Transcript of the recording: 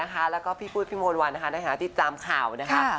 ค่ะแล้วก็พี่ปุ๊ยพี่มวลวันได้หาติดตามข่าวนะคะ